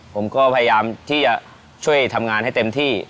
ผมก็พยายามที่จะช่วยทำงานให้เต็มที่